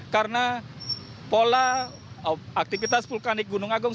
karena pola aktivitas vulkanik gunung agung